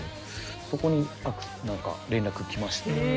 そこに連絡来ましたね。